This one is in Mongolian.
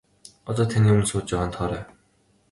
Одоо таны өмнө сууж байгаа нь Тоорой.